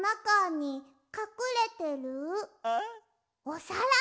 おさら？